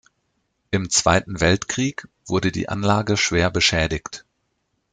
Im Zweiten Weltkrieg wurde die Anlage schwer beschädigt.